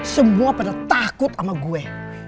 semua pada takut sama gue